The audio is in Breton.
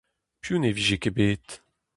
Piv ne vije ket bet ?